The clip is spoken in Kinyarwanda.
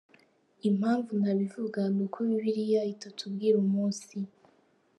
Impamvu ntabivuga ni uko Bibiliya itatubwira umunsi